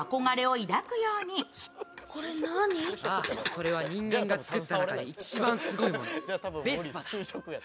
それは人間が作った中で一番すごいもの、ベスパだ。